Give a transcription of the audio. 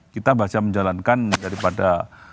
kita bahasa menjalankan daripada